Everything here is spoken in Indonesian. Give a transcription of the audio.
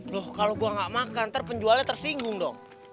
loh kalau gue gak makan ntar penjualnya tersinggung dong